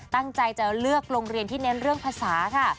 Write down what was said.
ตั้งใจจะเลือกโรงเรียนที่เน้นเรื่องภาษาค่ะ